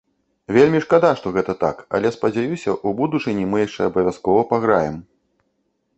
Вельмі шкада, што гэта так, але, спадзяюся, у будучыні мы яшчэ абавязкова паграем.